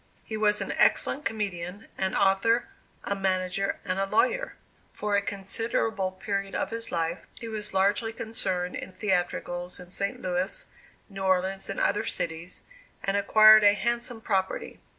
He was an excellent comedian, an author, a manager and a lawyer. For a considerable period of his life, he was largely concerned in theatricals in St. Louis, New Orleans and other cities, and acquired a handsome property.